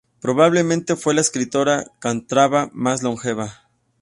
Probablemente fue la escritora cántabra más longeva.